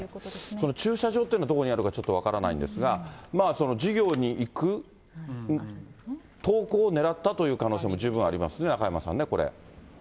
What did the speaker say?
その駐車場というのは、どこにあるのか分からないんですが、授業に行く、登校を狙ったという可能性も十分ありますね、中山さんね、これね。